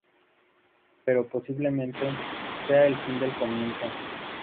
Pero, posiblemente, sea el fin del comienzo.